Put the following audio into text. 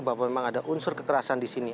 bahwa memang ada unsur kekerasan di sini